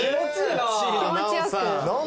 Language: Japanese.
気持ち良く。